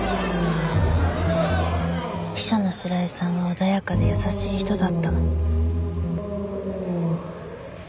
秘書の白井さんは穏やかで優しい人だった。